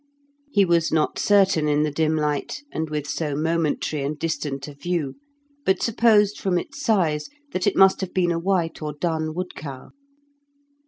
He was not certain in the dim light, and with so momentary and distant a view, but supposed from its size that it must have been a white or dun wood cow.